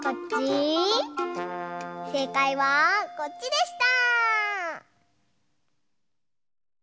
せいかいはこっちでした！